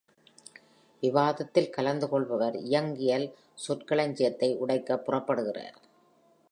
விவாதத்தில் கலந்து கொள்பவர், இயங்கியல் சொற்களஞ்சியத்தை உடைக்க புறப்படுகிறார்.